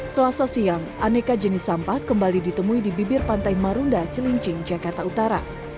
selasa siang aneka jenis sampah kembali ditemui di bibir pantai marunda cilincing jakarta utara